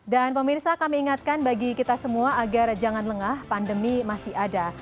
dan pemirsa kami ingatkan bagi kita semua agar jangan lengah pandemi masih ada